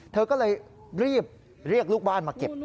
เธอก็เลยรีบเรียกลูกบ้านมาเก็บ